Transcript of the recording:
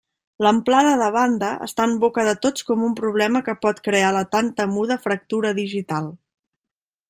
L'amplada de banda està en boca de tots com un problema que pot crear la tan temuda fractura digital.